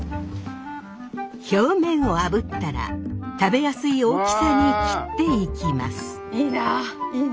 表面をあぶったら食べやすい大きさに切っていきます。